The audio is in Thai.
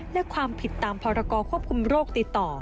และความผิดตามพรกรควบคุมโรคติดต่อ